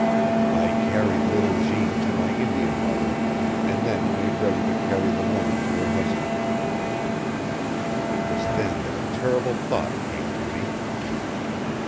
I carried little Jeanne to my Indian mother, and then made ready to carry the woman to her husband. It was then that a terrible thought came to me.